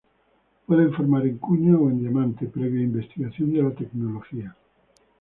Pueden formar en cuña o en diamante, previa investigación de la tecnología.